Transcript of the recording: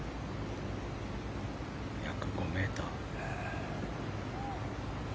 約５ｍ。